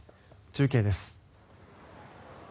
中継です。